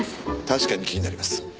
確かに気になります。